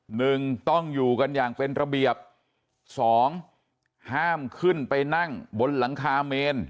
หนึ่งต้องอยู่กันอย่างเป็นระเบียบสองห้ามขึ้นไปนั่งบนหลังคาเมน